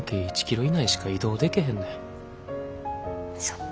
そっか。